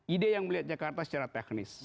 ide yang melihat jakarta secara teknis